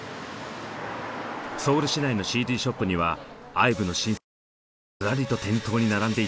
ソウル市内のＣＤショップにはＩＶＥの新作がずらりと店頭に並んでいた。